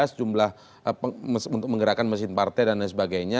sejumlah untuk menggerakkan mesin partai dan lain sebagainya